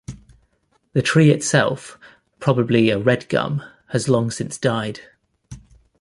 The tree itself, probably a red gum, has long since died.